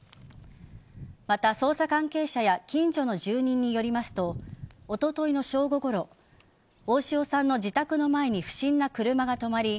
また、捜査関係者や近所の住人によりますとおとといの正午頃大塩さんの自宅の前に不審な車が止まり